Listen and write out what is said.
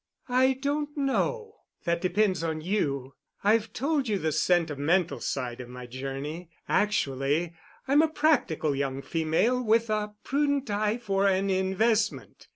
"I don't know. That depends on you. I've told you the sentimental side of my journey. Actually I'm a practical young female, with a prudent eye for an investment."